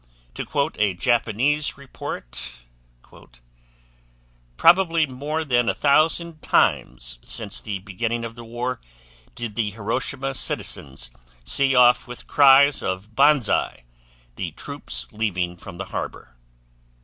To quote a Japanese report, "Probably more than a thousand times since the beginning of the war did the Hiroshima citizens see off with cries of 'Banzai' the troops leaving from the harbor."